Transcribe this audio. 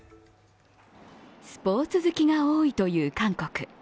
スポーツ好きが多いという韓国。